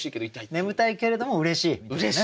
眠たいけれどもうれしい。